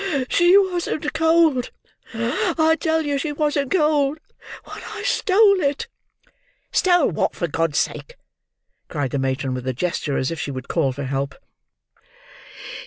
She wasn't cold—I tell you she wasn't cold, when I stole it!" "Stole what, for God's sake?" cried the matron, with a gesture as if she would call for help.